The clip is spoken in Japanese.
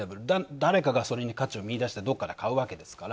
誰かがそれに価値を見出して買うわけですから。